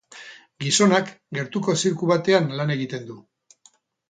Gizonak gertuko zirku batean lan egiten du.